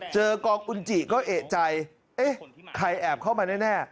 เจอกองอุ่นจิก็เอกใจเอ๊ะใครแอบเข้ามาแน่